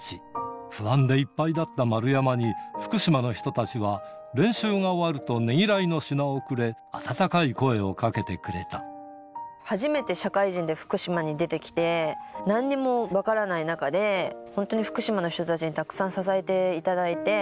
不安でいっぱいだった丸山に、福島の人たちは、練習が終わると、ねぎらいの品をくれ、温かい声を初めて社会人で福島に出てきて、なんにも分からない中で、本当に福島の人たちにたくさん支えていただいて。